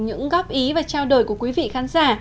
những góp ý và trao đổi của quý vị khán giả